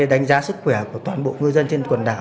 đánh giá sức khỏe của toàn bộ ngư dân trên quần đảo